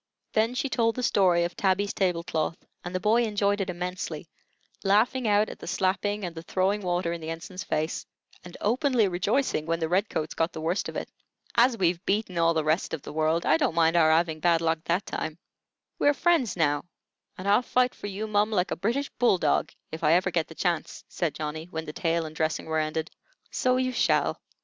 Then she told the story of Tabby's table cloth, and the boy enjoyed it immensely, laughing out at the slapping and the throwing water in the ensign's face, and openly rejoicing when the red coats got the worst of it. "As we've beaten all the rest of the world, I don't mind our 'aving bad luck that time. We har' friends now, and I'll fight for you, mum, like a British bull dog, if I hever get the chance," said Johnny, when the tale and dressing were ended. "So you shall.